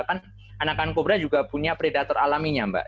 kan anakan kobra juga punya predator alaminya mbak